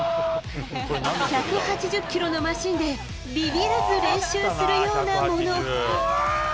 １８０キロのマシンで、びびらず練習するようなもの。